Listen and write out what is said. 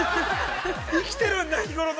◆生きてるんだ、日ごろの。